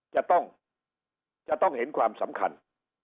จะต้องเห็นความสำคัญ